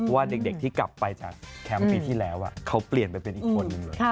ว่าเด็กที่กลับไปจากแคมป์ปีที่แล้วเขาเปลี่ยนไปเป็นอีกคนนึงเลย